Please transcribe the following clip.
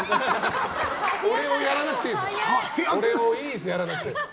これをやらなくていいですよ。